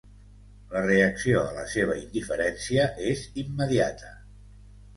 La reacció a la seva indiferència és immediata.